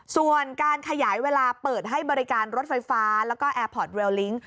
ส่วนการขยายเวลาเปิดให้บริการรถไฟฟ้าแล้วก็แอร์พอร์ตเวลลิ้ง